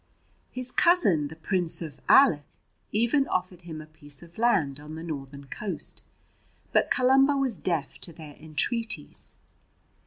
His cousin the Prince of Ailech even offered him a piece of land on the northern coast, but Columba was deaf to their entreaties.